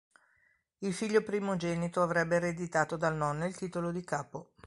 Il figlio primogenito avrebbe ereditato dal nonno il titolo di capo.